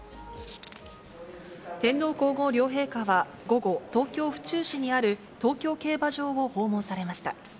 天皇皇后両陛下は午後、東京・府中市にある東京競馬場を訪問されました。